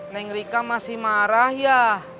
neng rika masih marah ya